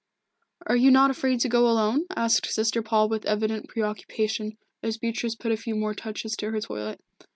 "Are you not afraid to go alone?" asked Sister Paul with evident preoccupation, as Beatrice put a few more touches to her toilet.